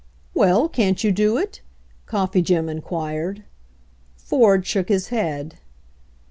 "Well, can't you do it?" Coffee Jim inquired. Ford shook his head.